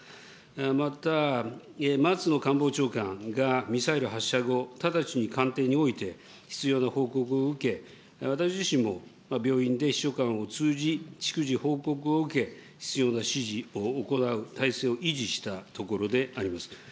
また、松野官房長官がミサイル発射後、直ちに官邸において必要な報告を受け、私自身も病院で秘書官を通じ、逐次、報告を受け、必要な指示を行う体制を維持したところであります。